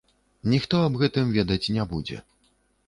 Ніхто аб гэтым ведаць не будзе.